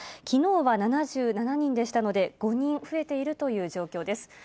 きのうは７７人でしたので、５人増えているという状況です。